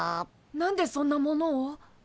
何でそんなものを？